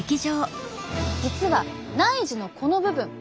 実は内耳のこの部分。